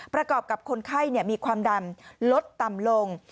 ประกอบกับคนไข้มีความดันลดต่ำลง